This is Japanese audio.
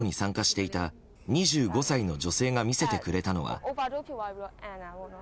かつて、抗議デモに参加していた２５歳の女性が見せてくれたのは。